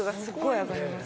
上がります。